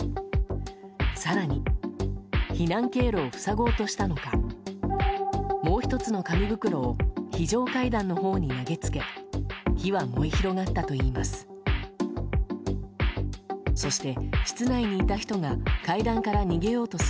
更に避難経路を塞ごうとしたのかもう１つの紙袋を非常階段のほうに投げつけ火は燃え広がったといいます。